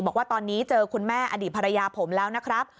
บอกว่าตอนนี้เจอคุณแม่อดีตภรรยาผมแล้วนะครับ